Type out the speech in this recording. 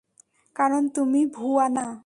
কারণ, তুমি ভুয়া না।